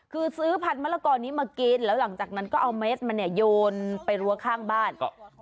คือซื้อพันธมะละกอนี้มากินแล้วหลังจากนั้นก็เอาเม็ดมันเนี่ยโยนไปรั้วข้างบ้าน